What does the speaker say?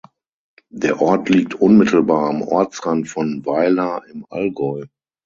Der Ort liegt unmittelbar am Ortsrand von Weiler im Allgäu.